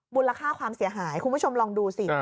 มูลค่าความเสียหายคุณผู้ชมลองดูสิ